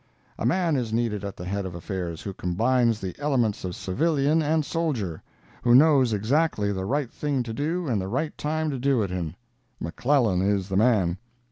A man is needed at the head of affairs who combines the elements of civilian and soldier; who knows exactly the right thing to do and the right time to do it in. McClellan is the man.